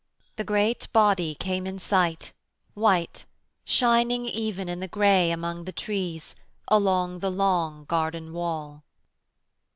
The great body came in sight, white, shining even in the grey among the trees along the long garden wall.